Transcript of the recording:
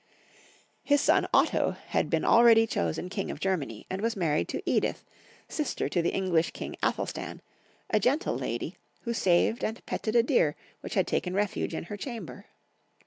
His son Otto had been already chosen King of Germany, and was married to Edith, sister to the English king Athelstan, a gentle lady, who saved and petted a deer which had taken refuge in her chamber.